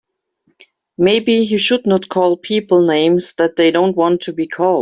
Maybe he should not call people names that they don't want to be called.